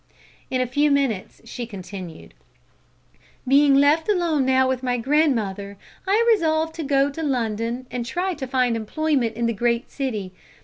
In a few minutes she continued "Being left alone now with my grandmother, I resolved to go to London and try to find employment in the great city.